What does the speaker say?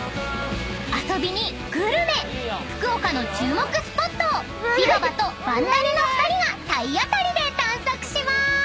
［遊びにグルメ福岡の注目スポットをでぃばばとバンダリの２人が体当たりで探索しまーす！］